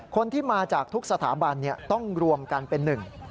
คนที่มาจากทุกสถาบันต้องรวมกันเป็นหนึ่ง